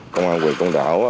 công an quyền công đảo